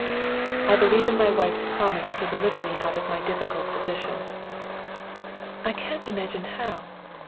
"I believe in my wife's promise to deliver me out of my difficult position." "I can't imagine how.